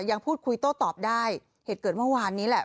ยังพูดคุยโต้ตอบได้เหตุเกิดเมื่อวานนี้แหละ